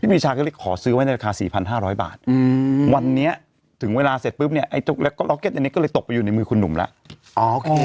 พี่ปีชาก็เลยขอซื้อไว้ในราคาสี่พันห้าร้อยบาทอืมวันเนี้ยถึงเวลาเสร็จปุ๊บเนี้ยไอ้จกและก็ล็อกเก็ตอันเนี้ยก็เลยตกไปอยู่ในมือคุณหนุ่มล่ะอ๋อโอเค